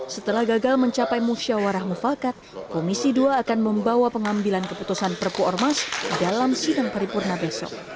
setelah gagal mencapai musyawarah mufakat komisi dua akan membawa pengambilan keputusan perpu ormas dalam sidang paripurna besok